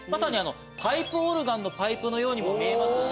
パイプオルガンのパイプのようにも見えますし